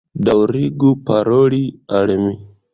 Daŭrigu paroli al mi